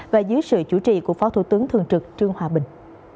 và dưới sự chủ trì của phó thủ tướng thường trực trương hòa bình